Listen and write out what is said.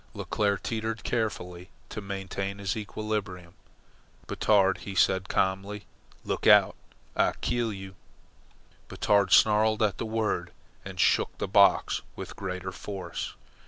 Leclere teetered carefully to maintain his equilibrium. "Batard," he said calmly, "look out. Ah keel you." Batard snarled at the word and shook the box with greater force.